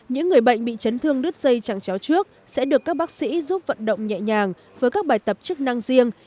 những người bệnh bị chấn thương đứt dây chẳng chéo trước sẽ được các bác sĩ giúp vận động nhẹ nhàng với các bài tập chức năng riêng